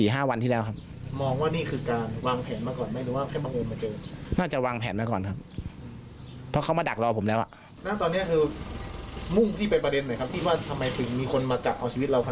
หลายคนอาจจะมองว่าที่ศท้าโอ๊ครอดมาได้แบบหุดปิด